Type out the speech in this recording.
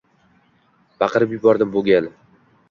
baqirib yubordim bu gal